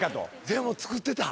でも。